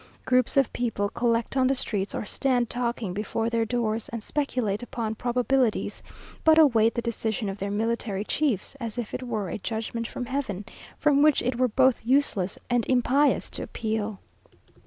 Groups of people collect on the streets, or stand talking before their doors, and speculate upon probabilities, but await the decision of their military chiefs, as if it were a judgment from Heaven, from which it were both useless and impious to appeal.